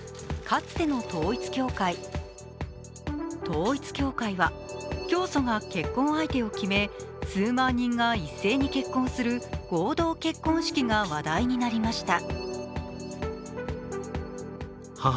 統一教会は教組が結婚相手を決め数万人が一斉に結婚する合同結婚式が話題になりました。